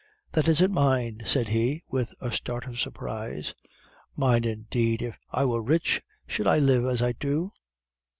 "'That isn't mine!' said he, with a start of surprise. 'Mine indeed! If I were rich, should I live as I do!